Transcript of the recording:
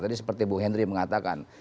tadi seperti bu henry mengatakan